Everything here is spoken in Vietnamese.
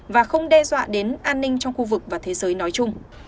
và không đe dọa đến an ninh trong khu vực và thế giới nói chung